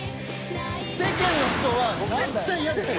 世間の人は絶対嫌です！